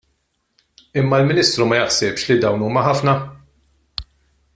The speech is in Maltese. Imma l-Ministru ma jaħsibx li dawn huma ħafna?